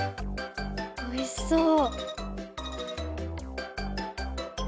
おいしそう。